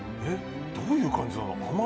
どういう感じなの？